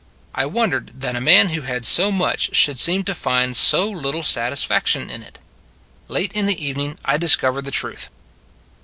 I wondered that a man who had so much should seem to find so little satisfaction in it. Late in the evening I discovered the truth.